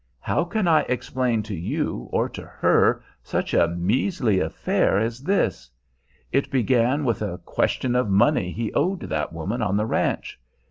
How can I explain to you, or you to her, such a measly affair as this? It began with a question of money he owed that woman on the ranch.